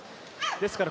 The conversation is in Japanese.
ですから